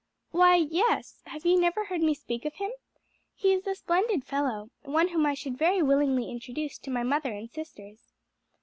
"Why, yes; have you never heard me speak of him? He's a splendid fellow, one whom I should very willingly introduce to my mother and sisters."